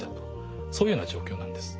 そういうような状況なんです。